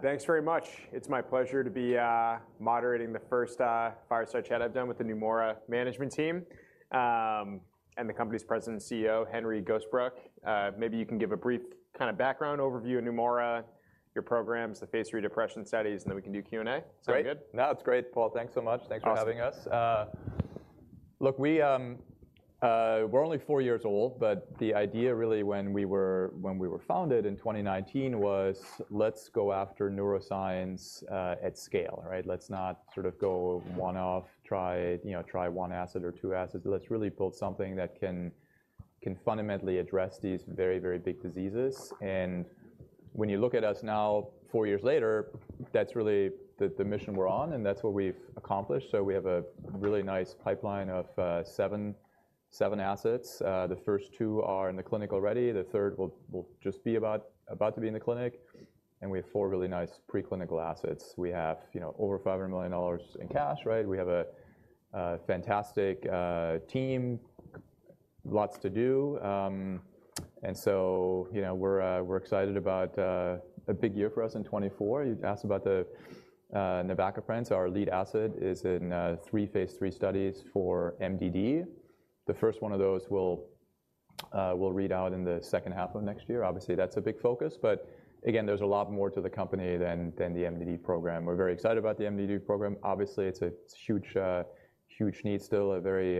Thanks very much. It's my pleasure to be moderating the first Fireside Chat I've done with the Neumora management team, and the company's president and CEO, Henry Gosebruch. Maybe you can give a brief kind of background overview of Neumora, your programs, the phase III depression studies, and then we can do Q&A. Great! Sound good? No, it's great, Paul. Thanks so much. Awesome. Thanks for having us. Look, we're only four years old, but the idea really, when we were founded in 2019 was, let's go after neuroscience at scale, right? Let's not sort of go one-off, try, you know, try one asset or two assets. Let's really build something that can fundamentally address these very, very big diseases, and when you look at us now, four years later, that's really the mission we're on, and that's what we've accomplished. So we have a really nice pipeline of seven, seven assets. The first two are in the clinic already. The third will just be about to be in the clinic, and we have four really nice preclinical assets. We have, you know, over $500 million in cash, right? We have a fantastic team. Lots to do, and so, you know, we're, we're excited about, a big year for us in 2024. You asked about the, navacaprant. So our lead asset is in, three phase III studies for MDD. The first one of those will, will read out in the second half of next year. Obviously, that's a big focus, but again, there's a lot more to the company than, than the MDD program. We're very excited about the MDD program. Obviously, it's a huge, huge need, still a very,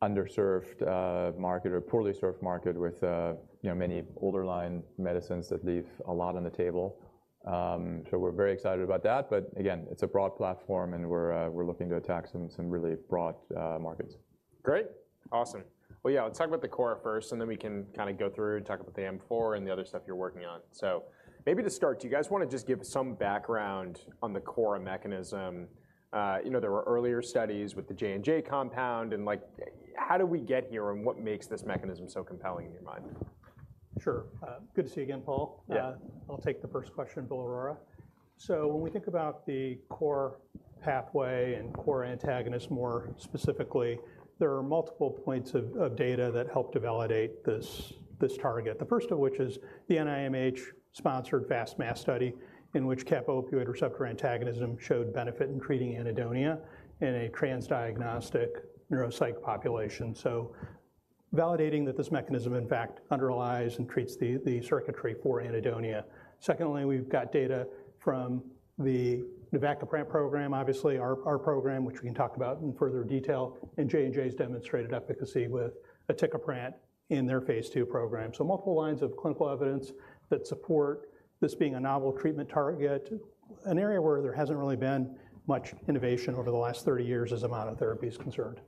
underserved, market or poorly served market with, you know, many older line medicines that leave a lot on the table. So we're very excited about that, but again, it's a broad platform, and we're, we're looking to attack some, some really broad, markets. Great! Awesome. Well, yeah, let's talk about the core first, and then we can kinda go through and talk about the M4 and the other stuff you're working on. So maybe to start, do you guys wanna just give some background on the core mechanism? You know, there were earlier studies with the J&J compound, and like, how did we get here, and what makes this mechanism so compelling in your mind? Sure. Good to see you again, Paul. Yeah. I'll take the first question, Bill Aurora. So when we think about the core pathway and core antagonist, more specifically, there are multiple points of data that help to validate this target. The first of which is the NIMH-sponsored FAST-MAS study, in which kappa opioid receptor antagonism showed benefit in treating anhedonia in a transdiagnostic neuropsych population. So validating that this mechanism, in fact, underlies and treats the circuitry for anhedonia. Secondly, we've got data from the navacaprant program. Obviously, our program, which we can talk about in further detail, and J&J's demonstrated efficacy with aticaprant in their phase II program. So multiple lines of clinical evidence that support this being a novel treatment target, an area where there hasn't really been much innovation over the last 30 years as monotherapy is concerned.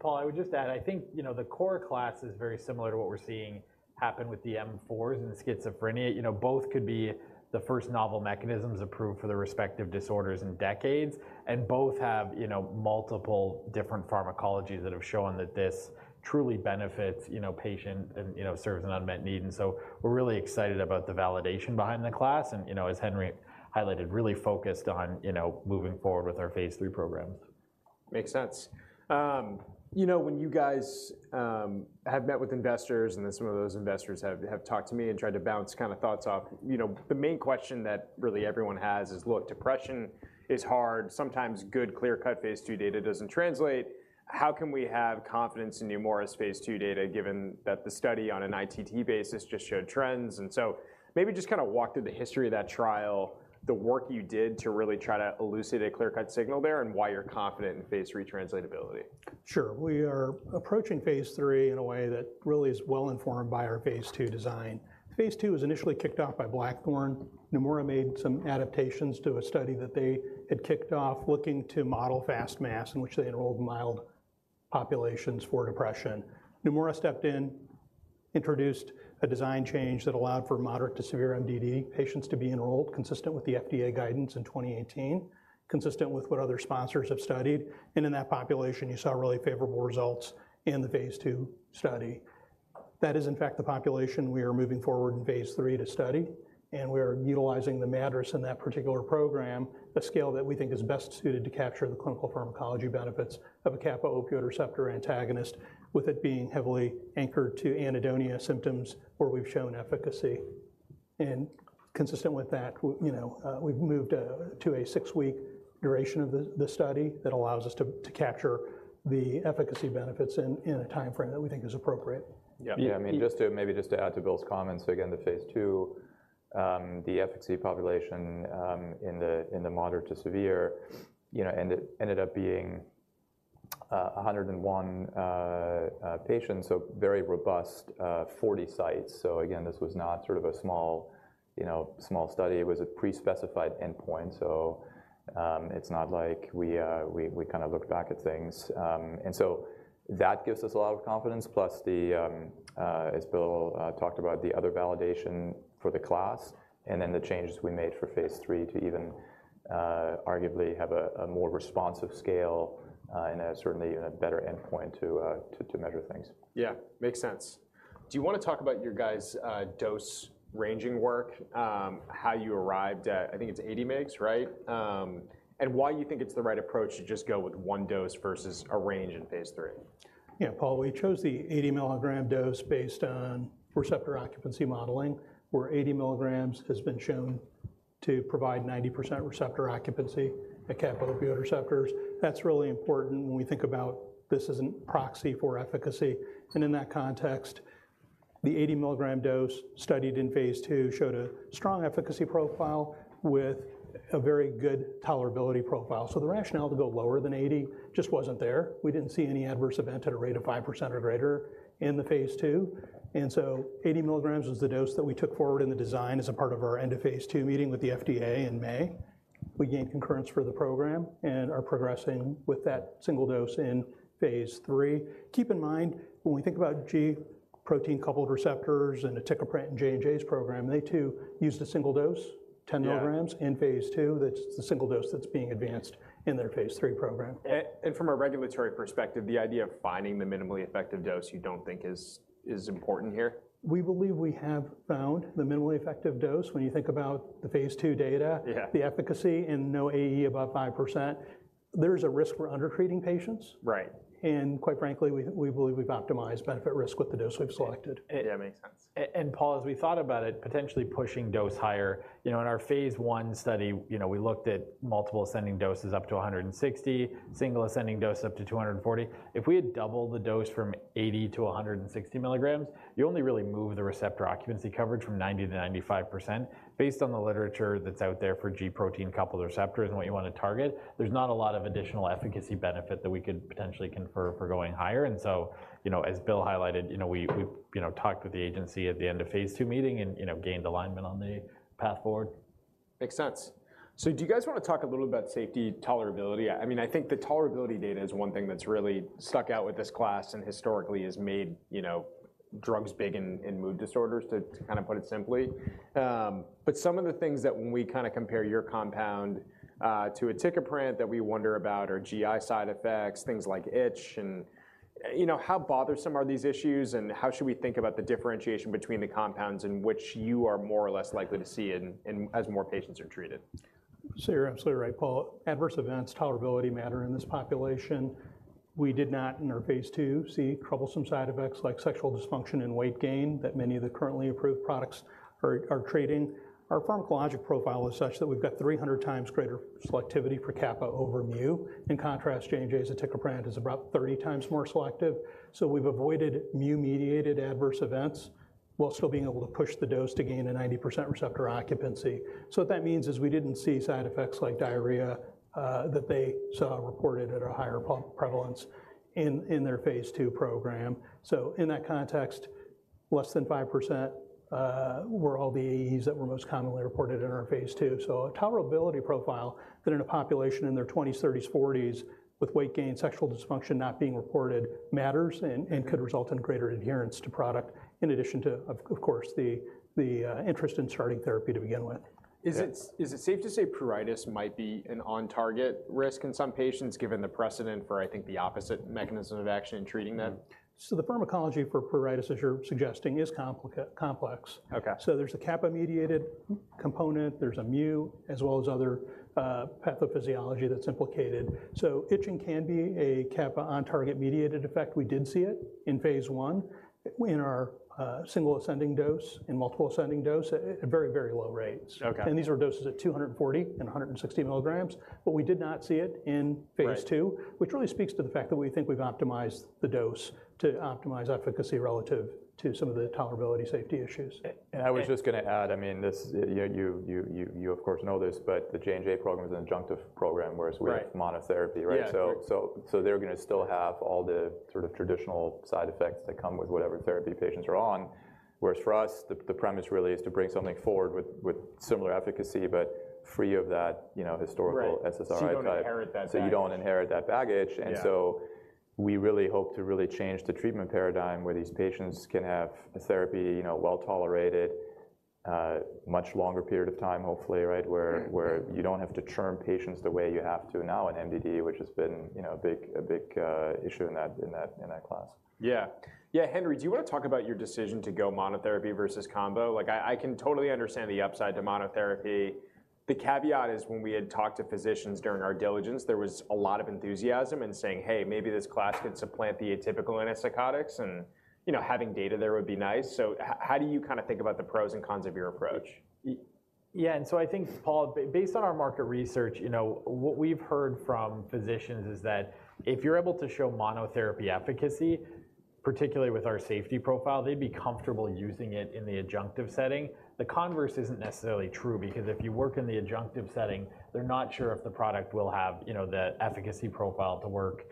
Paul, I would just add, I think, you know, the core class is very similar to what we're seeing happen with the M4s and schizophrenia. You know, both could be the first novel mechanisms approved for the respective disorders in decades, and both have, you know, multiple different pharmacologies that have shown that this truly benefits, you know, patient and, you know, serves an unmet need. And so we're really excited about the validation behind the class and, you know, as Henry highlighted, really focused on, you know, moving forward with our phase III program. Makes sense. You know, when you guys have met with investors, and then some of those investors have talked to me and tried to bounce kinda thoughts off, you know, the main question that really everyone has is, look, depression is hard. Sometimes good, clear-cut phase II data doesn't translate. How can we have confidence in Neumora's phase II data, given that the study on an ITT basis just showed trends? And so maybe just kinda walk through the history of that trial, the work you did to really try to elucidate a clear-cut signal there, and why you're confident in phase III translatability. Sure. We are approaching phase III in a way that really is well-informed by our phase II design. Phase II was initially kicked off by BlackThorn. Neumora made some adaptations to a study that they had kicked off, looking to model FAST-MAS, in which they enrolled mild populations for depression. Neumora stepped in, introduced a design change that allowed for moderate to severe MDD patients to be enrolled, consistent with the FDA guidance in 2018, consistent with what other sponsors have studied. And in that population, you saw really favorable results in the phase II study. That is, in fact, the population we are moving forward in phase III to study, and we are utilizing the MADRS in that particular program, a scale that we think is best suited to capture the clinical pharmacology benefits of a kappa opioid receptor antagonist, with it being heavily anchored to anhedonia symptoms, where we've shown efficacy. Consistent with that, you know, we've moved to a 6-week duration of the study that allows us to capture the efficacy benefits in a timeframe that we think is appropriate. Yeah, yeah. Yeah. Just to, maybe just to add to Bill's comments again to phase II, the ITT population in the moderate to severe, ended up being 101 patients. So very robust, for the size so, again this was not sort of a small study. It was a pre-specified endpoint, so it's not like we kinda look back at things. So that gives us a lot of confidence, plus the, as Bill talked about, the other validation for the class, and then the changes we made for phase III to even arguably have a more responsive scale, and certainly a better endpoint to measure things. Yeah, makes sense. Do you wanna talk about your guys' dose-ranging work? How you arrived at, I think it's 80 mgs, right? And why you think it's the right approach to just go with one dose versus a range in phase III. Yeah, Paul, we chose the 80mg dose based on receptor occupancy modeling, where 80mg has been shown to provide 90% receptor occupancy at kappa opioid receptors. That's really important when we think about this as a proxy for efficacy. And in that context, the 80mg dose studied in phase II showed a strong efficacy profile with a very good tolerability profile. So the rationale to go lower than 80 just wasn't there. We didn't see any adverse event at a rate of 5% or greater in the phase II, and so 80mg was the dose that we took forward in the design as a part of our end of phase II meeting with the FDA in May. We gained concurrence for the program and are progressing with that single dose in phase III. Keep in mind, when we think about G protein-coupled receptors and aticaprant in J&J's program, they too used a single dose, 10mg Yeah. In phase II, that's the single dose that's being advanced in their phase III program. From a regulatory perspective, the idea of finding the minimally effective dose you don't think is important here? We believe we have found the minimally effective dose. When you think about the phase II data- Yeah. The efficacy and no AE above 5%, there's a risk for under-treating patients. Right. Quite frankly, we believe we've optimized benefit-risk with the dose we've selected. Yeah, makes sense. Paul, as we thought about it, potentially pushing dose higher, you know, in our phase I study, you know, we looked at multiple ascending doses up to 160, single ascending dose up to 240. If we had doubled the dose from 80mg-160 milligrams, you only really move the receptor occupancy coverage from 90% to 95%. Based on the literature that's out there for G protein-coupled receptors and what you wanna target, there's not a lot of additional efficacy benefit that we could potentially confer for going higher. And so, you know, as Bill highlighted, you know, we've, you know, talked with the agency at the end of phase II meeting and, you know, gained alignment on the path forward. Makes sense. So do you guys wanna talk a little about safety tolerability? I mean, I think the tolerability data is one thing that's really stuck out with this class and historically has made, you know, drugs big in mood disorders, to kinda put it simply. But some of the things that when we kinda compare your compound to aticaprant that we wonder about are GI side effects, things like itch. And, you know, how bothersome are these issues, and how should we think about the differentiation between the compounds in which you are more or less likely to see in as more patients are treated? So you're absolutely right, Paul. Adverse events, tolerability matter in this population. We did not, in our phase II, see troublesome side effects like sexual dysfunction and weight gain that many of the currently approved products are, are treating. Our pharmacologic profile is such that we've got 300 times greater selectivity for kappa over mu. In contrast, J&J's aticaprant is about 30 times more selective, so we've avoided mu-mediated adverse events while still being able to push the dose to gain a 90% receptor occupancy. So what that means is we didn't see side effects like diarrhea that they saw reported at a higher prevalence in their phase II program. So in that context, less than 5% were all the AEs that were most commonly reported in our phase II. A tolerability profile that in a population in their 20s, 30s, 40s, with weight gain, sexual dysfunction not being reported, matters and could result in greater adherence to product, in addition to, of course, the interest in starting therapy to begin with. Is it safe to say pruritus might be an on-target risk in some patients, given the precedent for, I think, the opposite mechanism of action in treating them? The pharmacology for pruritus, as you're suggesting, is complex. Okay. So there's a kappa-mediated component, there's a mu, as well as other pathophysiology that's implicated. So itching can be a kappa on-target mediated effect. We did see it in phase I, in our single ascending dose and multiple ascending dose at very, very low rates. Okay. These were doses at 240mg and 160mg, but we did not see it in phase II. Right Which really speaks to the fact that we think we've optimized the dose to optimize efficacy relative to some of the tolerability safety issues. I was just gonna add, I mean, this—you of course know this, but the J&J program is an adjunctive program, whereas we- Right Monotherapy, right? Yeah. So, they're gonna still have all the sort of traditional side effects that come with whatever therapy patients are on. Whereas for us, the premise really is to bring something forward with similar efficacy, but free of that, you know, historical SSRI type. Right. So you don't inherit that baggage. You don't inherit that baggage. Yeah. So we really hope to really change the treatment paradigm, where these patients can have a therapy, you know, well-tolerated, much longer period of time, hopefully, right? Mm-hmm. Where you don't have to churn patients the way you have to now in MDD, which has been, you know, a big issue in that class. Yeah. Yeah, Henry, do you wanna talk about your decision to go monotherapy versus combo? Like I, I can totally understand the upside to monotherapy. The caveat is when we had talked to physicians during our diligence, there was a lot of enthusiasm in saying: "Hey, maybe this class could supplant the atypical antipsychotics, and, you know, having data there would be nice." So how do you kinda think about the pros and cons of your approach? Yeah, and so I think, Paul, based on our market research, you know, what we've heard from physicians is that if you're able to show monotherapy efficacy, particularly with our safety profile, they'd be comfortable using it in the adjunctive setting. The converse isn't necessarily true, because if you work in the adjunctive setting, they're not sure if the product will have, you know, the efficacy profile to work,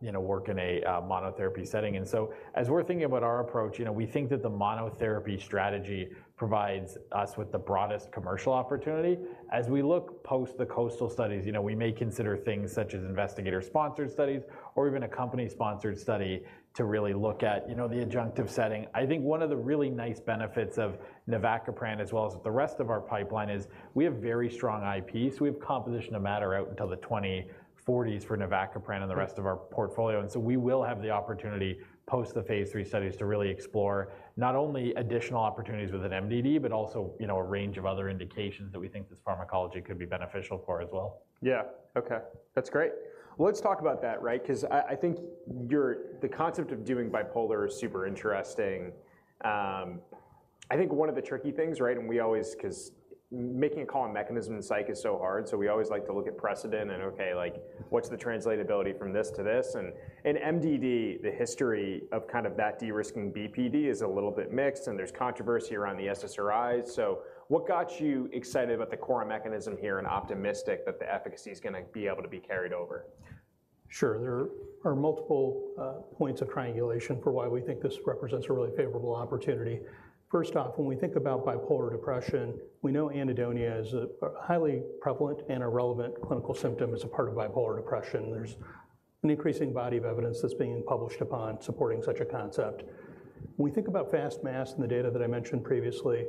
you know, work in a monotherapy setting. And so, as we're thinking about our approach, you know, we think that the monotherapy strategy provides us with the broadest commercial opportunity. As we look post the coastal studies, you know, we may consider things such as investigator-sponsored studies or even a company-sponsored study to really look at, you know, the adjunctive setting. I think one of the really nice benefits of navacaprant, as well as the rest of our pipeline, is we have very strong IPs. We have composition of matter out until the 2040s for navacaprant and the rest of our portfolio. And so we will have the opportunity, post the phase III studies, to really explore not only additional opportunities within MDD, but also, you know, a range of other indications that we think this pharmacology could be beneficial for as well. Yeah. Okay, that's great. Well, let's talk about that, right? 'Cause I, I think your—the concept of doing bipolar is super interesting. I think one of the tricky things, right? And we always, 'cause making a call on mechanism in psych is so hard, so we always like to look at precedent and okay, like, what's the translatability from this to this? And, and MDD, the history of kind of that de-risking BPD is a little bit mixed, and there's controversy around the SSRIs. So what got you excited about the core mechanism here and optimistic that the efficacy is gonna be able to be carried over? Sure. There are multiple points of triangulation for why we think this represents a really favorable opportunity. First off, when we think about bipolar depression, we know anhedonia is a highly prevalent and a relevant clinical symptom as a part of bipolar depression. There's an increasing body of evidence that's being published upon supporting such a concept. When we think about FAST-MAS and the data that I mentioned previously,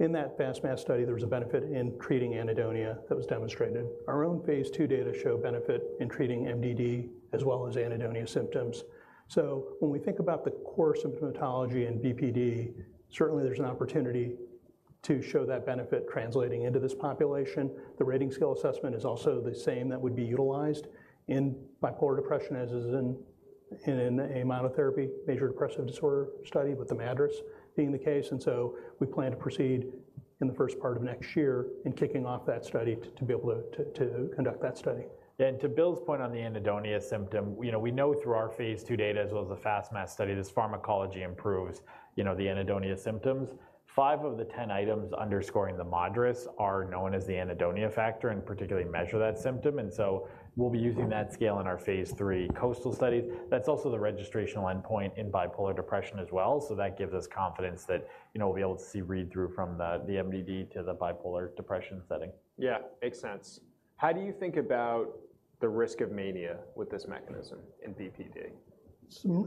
in that FAST-MAS study, there was a benefit in treating anhedonia that was demonstrated. Our own phase II data show benefit in treating MDD as well as anhedonia symptoms. So when we think about the core symptomatology in BPD, certainly there's an opportunity to show that benefit translating into this population. The rating scale assessment is also the same that would be utilized in Bipolar Depression, as is in a monotherapy major depressive disorder study, with the MADRS being the case. So we plan to proceed in the first part of next year in kicking off that study to be able to conduct that study. To Bill's point on the anhedonia symptom, you know, we know through our phase II data as well as the FAST-MAS study, this pharmacology improves, you know, the anhedonia symptoms. Five of the ten items underscoring the MADRS are known as the anhedonia factor and particularly measure that symptom, and so we'll be using that scale in our phase III coastal studies. That's also the registrational endpoint in bipolar depression as well, so that gives us confidence that, you know, we'll be able to see read-through from the, the MDD to the bipolar depression setting. Yeah, makes sense. How do you think about the risk of mania with this mechanism in BPD?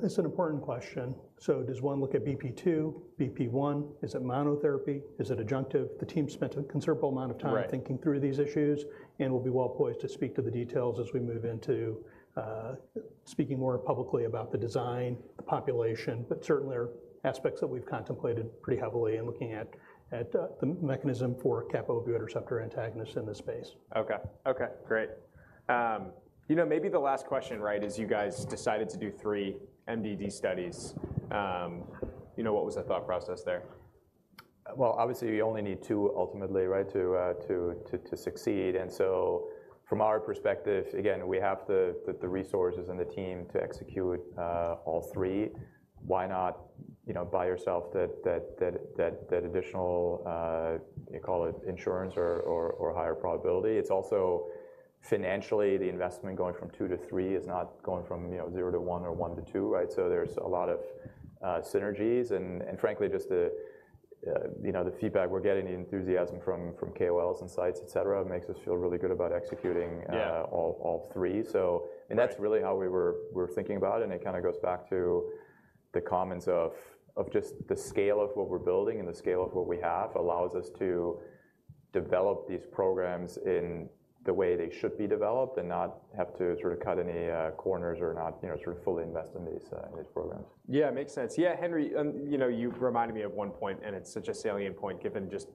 It's an important question. So does one look at BP two, BP one? Is it monotherapy? Is it adjunctive? The team spent a considerable amount of time- Right Thinking through these issues and will be well poised to speak to the details as we move into, speaking more publicly about the design, the population. But certainly, there are aspects that we've contemplated pretty heavily in looking at, the mechanism for kappa opioid receptor antagonist in this space. Okay. Okay, great. You know, maybe the last question, right, is you guys decided to do three MDD studies. You know, what was the thought process there? Well, obviously, you only need two ultimately, right? To succeed, so from our perspective, again, we have the resources and the team to execute all three. Why not, you know, buy yourself that additional, call it insurance or higher probability? It's also financially, the investment going from two to three is not going from, you know, zero to one or one to two, right? So there's a lot of synergies and, frankly, just, you know, the feedback we're getting, the enthusiasm from KOLs and sites, et cetera, makes us feel really good about executing. Yeah All three. So, and that's really how we were, we're thinking about it, and it kinda goes back to the comments of just the scale of what we're building and the scale of what we have allows us to develop these programs in the way they should be developed and not have to sort of cut any corners or not, you know, sort of fully invest in these programs. Yeah, makes sense. Yeah, Henry, you know, you reminded me of one point, and it's such a salient point, given just,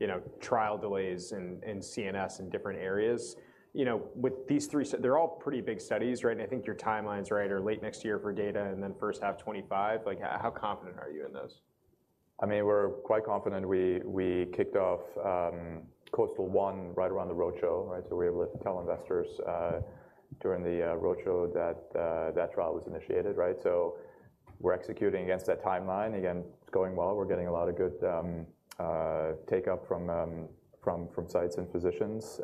you know, trial delays in, in CNS and different areas. You know, with these three they're all pretty big studies, right? And I think your timelines, right, are late next year for data and then first half 2025. Like, how confident are you in this? I mean, we're quite confident. We kicked off KOASTAL-1 right around the roadshow, right? So we were able to tell investors during the roadshow that trial was initiated, right? So we're executing against that timeline. Again, it's going well. We're getting a lot of good take-up from sites and physicians.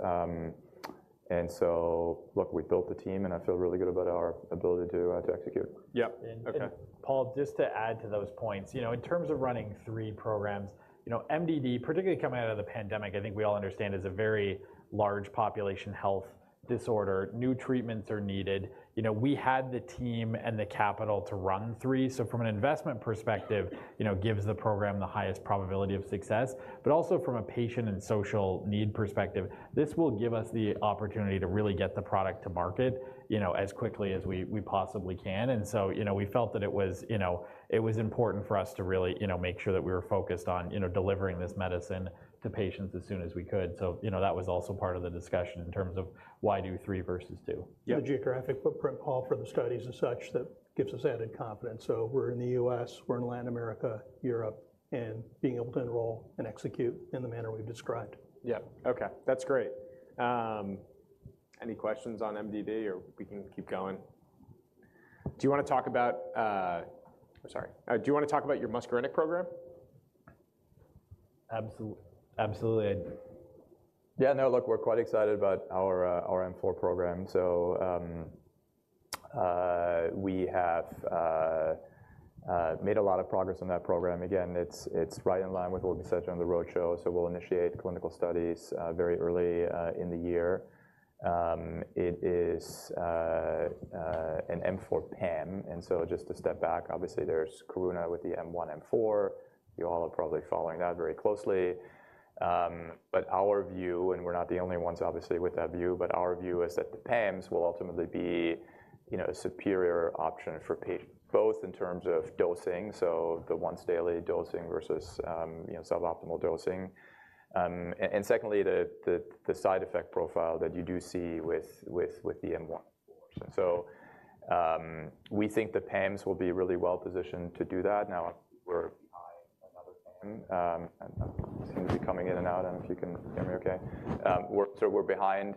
And so look, we built the team, and I feel really good about our ability to execute. Yeah. Okay. Paul, just to add to those points, you know, in terms of running three programs, you know, MDD, particularly coming out of the pandemic, I think we all understand, is a very large population health disorder. New treatments are needed. You know, we had the team and the capital to run three. So from an investment perspective, you know, gives the program the highest probability of success, but also from a patient and social need perspective, this will give us the opportunity to really get the product to market, you know, as quickly as we possibly can. So, you know, we felt that it was important for us to really, you know, make sure that we were focused on, you know, delivering this medicine to patients as soon as we could. You know, that was also part of the discussion in terms of why do three versus two. Yeah. The geographic footprint, Paul, for the studies and such, that gives us added confidence. So we're in the U.S., we're in Latin America, Europe, and being able to enroll and execute in the manner we've described. Yeah. Okay, that's great. Any questions on MDD, or we can keep going? Do you wanna talk about... Sorry. Do you wanna talk about your muscarinic program? Absolutely. Absolutely. Yeah, no, look, we're quite excited about our M4 program. So, we have made a lot of progress on that program. Again, it's right in line with what we said on the roadshow, so we'll initiate clinical studies very early in the year. It is an M4 PAM. And so just to step back, obviously, there's Karuna with the M1, M4. You all are probably following that very closely. But our view, and we're not the only ones, obviously, with that view, but our view is that the PAMs will ultimately be, you know, a superior option for patients, both in terms of dosing, so the once daily dosing versus, you know, suboptimal dosing. And secondly, the side effect profile that you do see with the M1. So, um- We think the PAMs will be really well positioned to do that. Now, we're behind another PAM. I seem to be coming in and out, and if you can hear me okay. So we're behind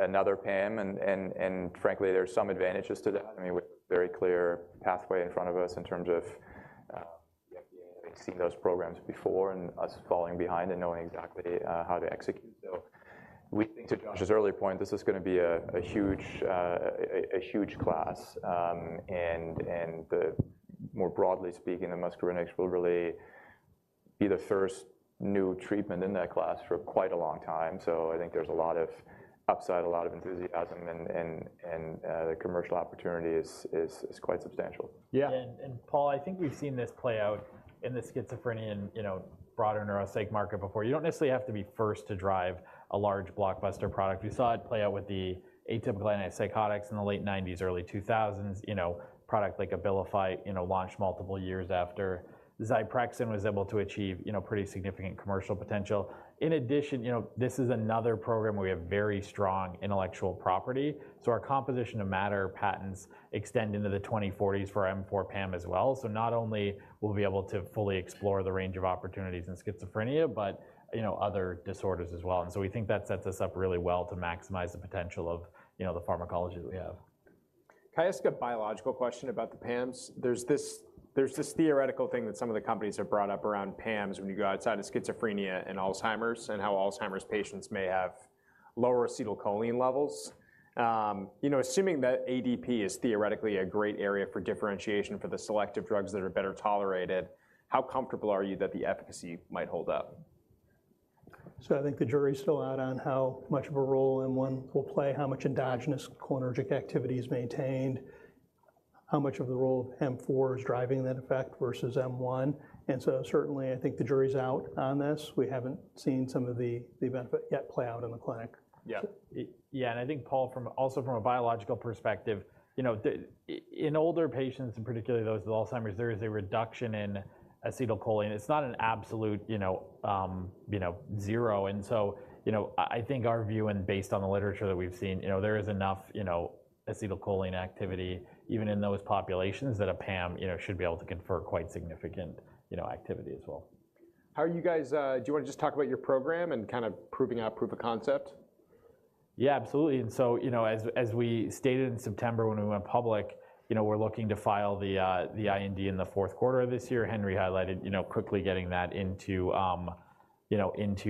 another PAM and frankly, there are some advantages to that. I mean, we have a very clear pathway in front of us in terms of the FDA. They've seen those programs before and us following behind and knowing exactly how to execute. So we think to Josh's earlier point, this is gonna be a huge class. And the more broadly speaking, the muscarinic will really be the first new treatment in that class for quite a long time. So I think there's a lot of upside, a lot of enthusiasm, and the commercial opportunity is quite substantial. Yeah. Yeah, and Paul, I think we've seen this play out in the schizophrenia and, you know, broader neuropsych market before. You don't necessarily have to be first to drive a large blockbuster product. We saw it play out with the atypical antipsychotics in the late 1990s, early 2000s. You know, product like Abilify, you know, launched multiple years after Zyprexa was able to achieve, you know, pretty significant commercial potential. In addition, you know, this is another program where we have very strong intellectual property, so our composition of matter patents extend into the 2040s for M4 PAM as well. So not only will we be able to fully explore the range of opportunities in schizophrenia, but, you know, other disorders as well. And so we think that sets us up really well to maximize the potential of, you know, the pharmacology that we have. Can I ask a biological question about the PAMs? There's this, there's this theoretical thing that some of the companies have brought up around PAMs when you go outside of Schizophrenia and Alzheimer's, and how Alzheimer's patients may have lower acetylcholine levels. You know, assuming that ADP is theoretically a great area for differentiation for the selective drugs that are better tolerated, how comfortable are you that the efficacy might hold up? So I think the jury's still out on how much of a role M1 will play, how much endogenous cholinergic activity is maintained, how much of the role of M4 is driving that effect versus M1. And so certainly, I think the jury's out on this. We haven't seen some of the benefit yet play out in the clinic. Yeah. Yeah, and I think, Paul, also from a biological perspective, you know, in older patients, and particularly those with Alzheimer's, there is a reduction in acetylcholine. It's not an absolute, you know, zero and so, you know, I think our view and based on the literature that we've seen, you know, there is enough, you know, acetylcholine activity, even in those populations, that a PAM, you know, should be able to confer quite significant, you know, activity as well. How are you guys? Do you wanna just talk about your program and kind of proving out proof of concept? Yeah, absolutely. And so, you know, as we stated in September when we went public, you know, we're looking to file the IND in the Q4 of this year. Henry highlighted, you know, quickly getting that into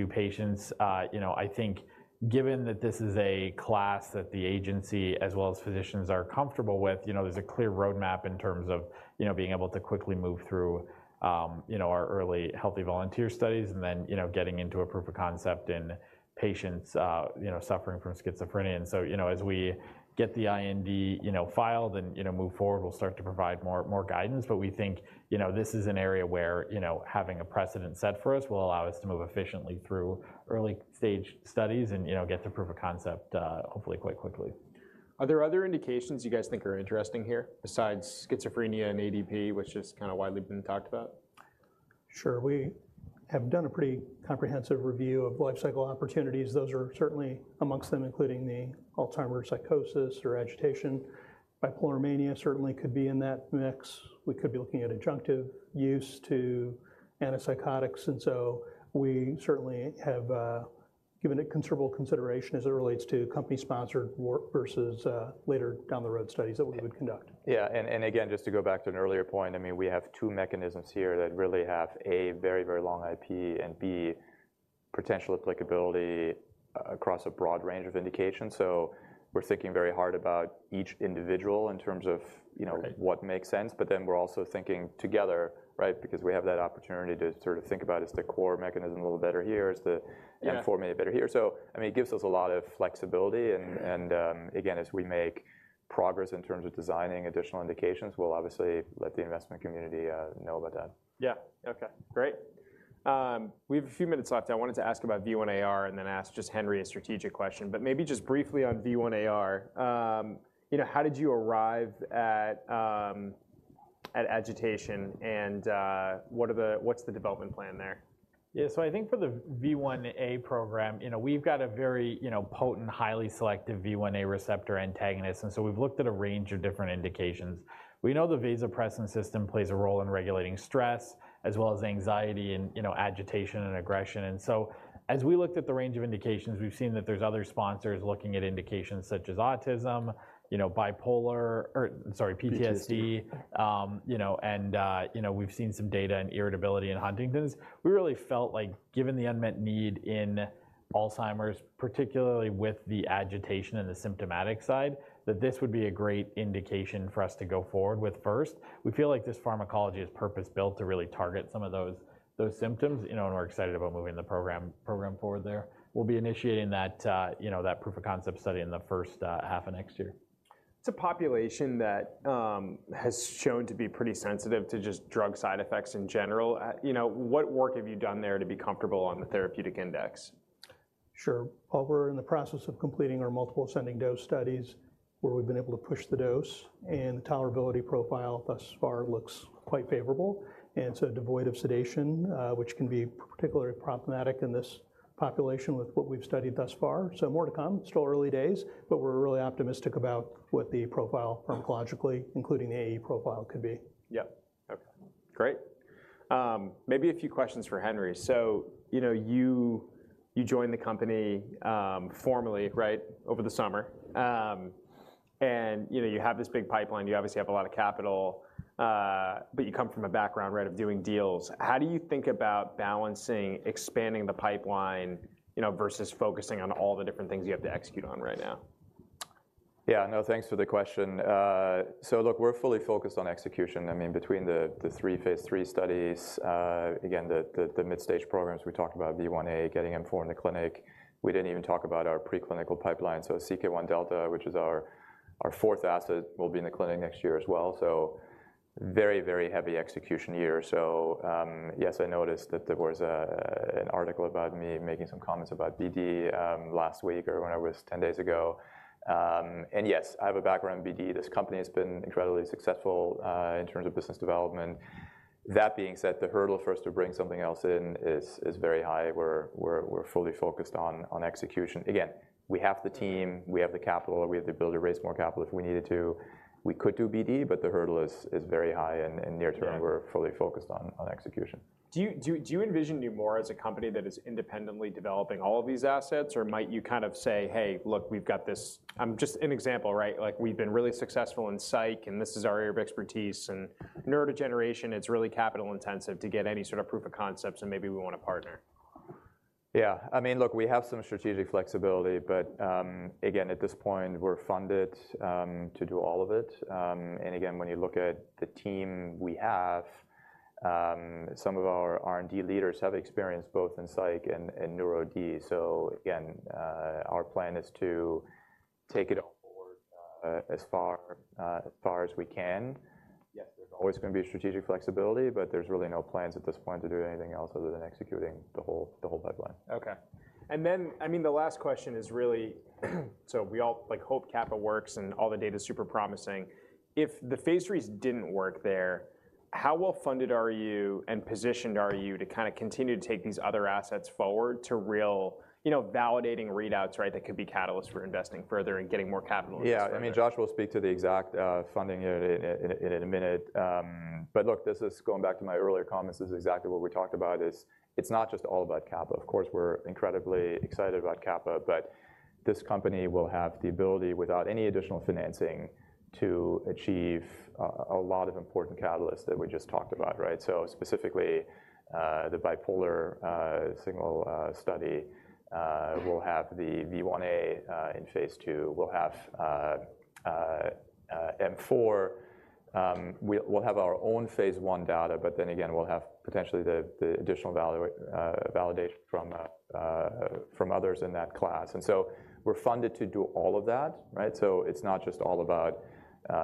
patients. You know, I think given that this is a class that the agency, as well as physicians, are comfortable with, you know, there's a clear roadmap in terms of, you know, being able to quickly move through our early healthy volunteer studies and then, you know, getting into a proof of concept in patients suffering from schizophrenia. And so, you know, as we get the IND filed and, you know, move forward, we'll start to provide more guidance. We think, you know, this is an area where, you know, having a precedent set for us will allow us to move efficiently through early stage studies and, you know, get to proof of concept, hopefully quite quickly. Are there other indications you guys think are interesting here besides schizophrenia and ADP, which is kinda widely been talked about? Sure. We have done a pretty comprehensive review of life cycle opportunities. Those are certainly amongst them, including the Alzheimer's psychosis or agitation. Bipolar mania certainly could be in that mix. We could be looking at adjunctive use to antipsychotics, and so we certainly have given it considerable consideration as it relates to company-sponsored work versus later down the road studies that we would conduct. Yeah, and, and again, just to go back to an earlier point, I mean, we have two mechanisms here that really have, a very, very long IP, and B, potential applicability across a broad range of indications. So we're thinking very hard about each individual in terms of, you know. Right What makes sense, but then we're also thinking together, right? Because we have that opportunity to sort of think about, is the core mechanism a little better here? Is the- Yeah M4 maybe better here. So, I mean, it gives us a lot of flexibility- Mm-hmm Again, as we make progress in terms of designing additional indications, we'll obviously let the investment community know about that. Yeah. Okay, great. We have a few minutes left. I wanted to ask about V1aR and then ask just Henry a strategic question, but maybe just briefly on V1aR. You know, how did you arrive at agitation, and what's the development plan there? Yeah, so I think for the V1a program, you know, we've got a very, you know, potent, highly selective V1a receptor antagonist, and so we've looked at a range of different indications. We know the vasopressin system plays a role in regulating stress, as well as anxiety and, you know, agitation and aggression, and so as we looked at the range of indications, we've seen that there's other sponsors looking at indications such as autism, you know, bipolar or, sorry, PTSD- PTSD. You know, we've seen some data on irritability in Huntington's. We really felt like, given the unmet need in Alzheimer's, particularly with the agitation and the symptomatic side, that this would be a great indication for us to go forward with first. We feel like this pharmacology is purpose-built to really target some of those symptoms, you know, and we're excited about moving the program forward there. We'll be initiating that, you know, that proof of concept study in the first half of next year. It's a population that has shown to be pretty sensitive to just drug side effects in general. You know, what work have you done there to be comfortable on the therapeutic index? Sure. Well, we're in the process of completing our multiple ascending dose studies, where we've been able to push the dose. And the tolerability profile thus far looks quite favorable, and so devoid of sedation, which can be particularly problematic in this population with what we've studied thus far. So more to come. Still early days, but we're really optimistic about what the profile pharmacologically, including the AE profile, could be. Yep. Okay, great. Maybe a few questions for Henry. So, you know, you joined the company formally, right? Over the summer. You know, you have this big pipeline. You obviously have a lot of capital, but you come from a background, right, of doing deals. How do you think about balancing, expanding the pipeline, you know, versus focusing on all the different things you have to execute on right now? Yeah. No, thanks for the question. So look, we're fully focused on execution. I mean, between the three phase III studies, again, the mid-stage programs we talked about, V1a, getting M4 in the clinic. We didn't even talk about our preclinical pipeline. So CK1δ, which is our fourth asset, will be in the clinic next year as well. So very, very heavy execution year. So, yes, I noticed that there was an article about me making some comments about BD last week or 10 days ago. And yes, I have a background in BD. This company has been incredibly successful in terms of business development. That being said, the hurdle for us to bring something else in is very high. We're fully focused on execution. Again, we have the team, we have the capital, we have the ability to raise more capital if we needed to. We could do BD, but the hurdle is very high and near term- Yeah. We're fully focused on execution. Do you envision you more as a company that is independently developing all of these assets? Or might you kind of say, "Hey, look, we've got this..." Just an example, right? Like, we've been really successful in psych, and this is our area of expertise, and neurodegeneration, it's really capital intensive to get any sort of proof of concept, so maybe we want to partner. Yeah. I mean, look, we have some strategic flexibility, but, again, at this point, we're funded to do all of it. Again, when you look at the team we have, some of our R&D leaders have experience both in psych and NeuroD. So again, our plan is to take it on board as far as we can. Yes, there's always gonna be a strategic flexibility, but there's really no plans at this point to do anything else other than executing the whole pipeline. Okay. And then, I mean, the last question is really, so we all, like, hope kappa works and all the data is super promising. If the phase IIIs didn't work there, how well funded are you and positioned are you to kind of continue to take these other assets forward to real, you know, validating readouts, right? That could be catalyst for investing further and getting more capital. Yeah. I mean, Josh will speak to the exact funding in a minute. But look, this is going back to my earlier comments. This is exactly what we talked about is it's not just all about navacaprant. Of course, we're incredibly excited about navacaprant, but this company will have the ability, without any additional financing, to achieve a lot of important catalysts that we just talked about, right? So specifically, the bipolar signal study, we'll have the V1a in phase II. We'll have M4. We'll have our own phase data, but then again, we'll have potentially the additional validation from others in that class. And so we're funded to do all of that, right? So it's not just all about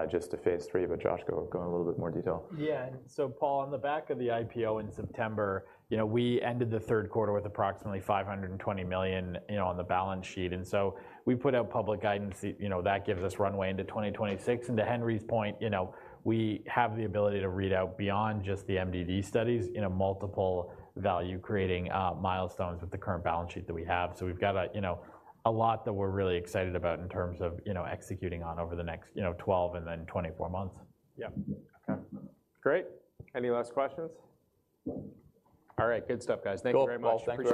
just a phase three, but Josh, go, go in a little bit more detail. Yeah. So Paul, on the back of the IPO in September, you know, we ended the Q3 with approximately $520 million, you know, on the balance sheet. And so we put out public guidance that, you know, that gives us runway into 2026. To Henry's point, you know, we have the ability to read out beyond just the MDD studies in a multiple value creating milestones with the current balance sheet that we have. So we've got a, you know, a lot that we're really excited about in terms of, you know, executing on over the next, you know, 12 and then 24 months. Yeah. Okay, great. Any last questions? All right. Good stuff, guys. Cool. Thank you very much. Appreciate it.